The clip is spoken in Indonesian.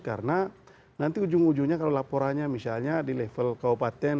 karena nanti ujung ujungnya kalau laporannya misalnya di level kabupaten